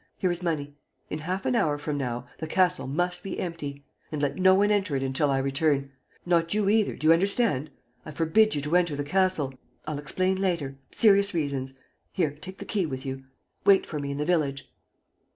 Here is money. In half an hour from now, the castle must be empty. And let no one enter it until I return. ... Not you either, do you understand? ... I forbid you to enter the castle. ... I'll explain later ... serious reasons. Here, take the key with you. ... Wait for me in the village.